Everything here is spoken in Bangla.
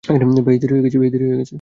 বেশ দেরি হয়ে গেছে।